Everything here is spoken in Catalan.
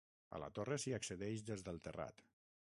A la torre s'hi accedeix des del terrat.